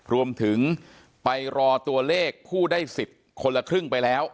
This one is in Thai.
รวมถึงไปรอตัวเลขผู้ได้สิทธิ์คนละครึ่งไปแล้ว